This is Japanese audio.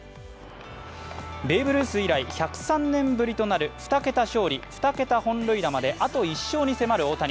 ベーブ・ルース以来、１０３年ぶりとなる２桁勝利、２桁本塁打まであと１勝に迫る大谷。